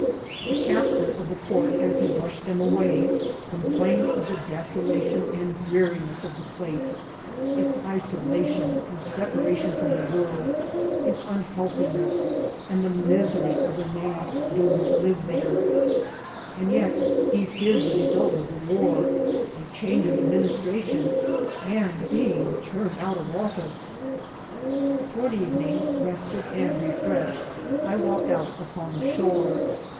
The captain of the port, as he brushed them away, complained of the desolation and dreariness of the place, its isolation and separation from the world, its unhealthiness, and the misery of a man doomed to live there ; and yet be PORT OF I8TAFA. 289 feared the result of the war, a change of administra* tion, and being turned out of office ! Toward eyening, rested and refreshed, I walked out upon the shore.